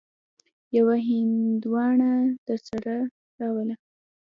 يوه هندواڼه درسره راوړه.